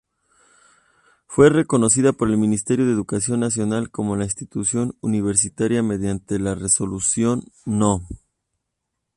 Fue reconocida por el Ministerio de Educación Nacional como Institución Universitaria mediante Resolución No.